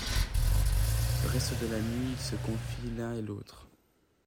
Le reste de la nuit, ils se confient l'un et l'autre.